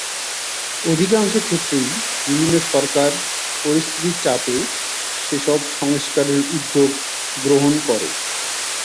অধিকাংশ ক্ষেত্রেই বিভিন্ন সরকার পরিস্থিতির চাপে সেসব সংস্কারের উদ্যোগ গ্রহণ করে।